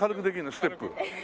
ステップ。